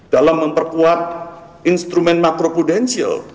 dalam memperkuat instrumen makro prudensial